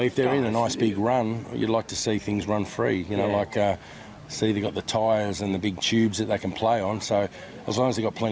tapi mereka ingin memiliki seberapa banyak ruang seperti perjalanan besar